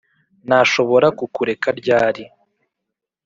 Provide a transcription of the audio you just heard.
nashobora kukureka ryari? '